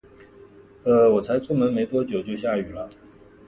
呃，我才出门没多久，就下雨了